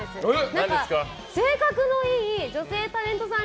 何か性格のいい女性タレントさん